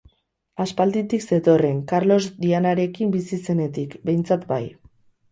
Aspalditik zetorren, Karlos Dianarekin bizi zenetik, behintzat, bai.